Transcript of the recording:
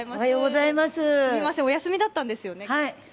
すいませんお休みだったんですよね。